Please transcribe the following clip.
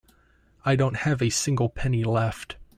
I don't have a single penny left.